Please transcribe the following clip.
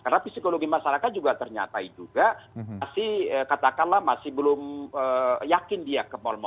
karena psikologi masyarakat juga ternyata juga masih katakanlah masih belum yakin dia ke mal mal gitu loh